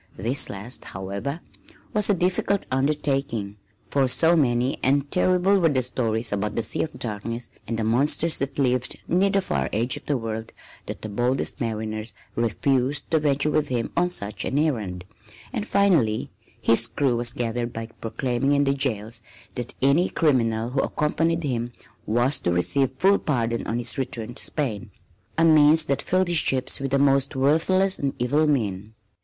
This last, however, was a difficult undertaking, for so many and terrible were the stories about the Sea of Darkness and the monsters that lived near the far edge of the world that the boldest mariners refused to venture with him on such an errand, and finally his crew was gathered by proclaiming in the jails that any criminal who accompanied him was to receive full pardon on his return to Spain a means that filled his ships with the most worthless and evil men.